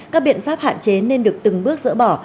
các biện pháp hạn chế nên được từng bước dỡ bỏ